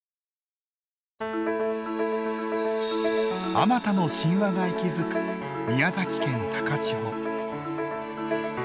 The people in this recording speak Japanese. あまたの神話が息づく宮崎県高千穂。